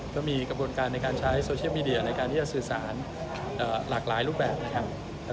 ก็มีกระบวนการในการใช้โซเชียลมีเดียในการที่จะสื่อสารหลากหลายรูปแบบนะครับ